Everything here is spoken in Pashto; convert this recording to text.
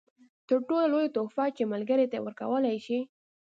تر ټولو لویه تحفه چې ملګري ته یې ورکولای شئ.